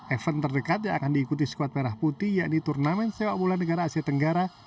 event terdekat yang akan diikuti skuad merah putih yakni turnamen sepak bola negara asia tenggara